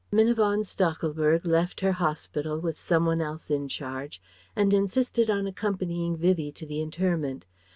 Minna von Stachelberg left her hospital, with some one else in charge, and insisted on accompanying Vivie to the interment.